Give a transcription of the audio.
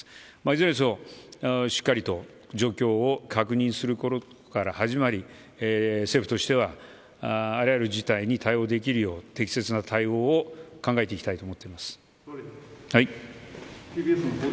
いずれにせよ、しっかりと状況を確認することから始まり政府としてはあらゆる事態に対応できるよう適切な対応を考えていきたいと思っています。